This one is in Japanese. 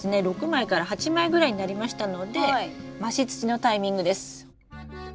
６枚から８枚ぐらいになりましたので増し土のタイミングです。